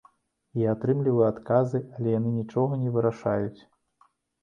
Я атрымліваю адказы, але яны нічога не вырашаюць.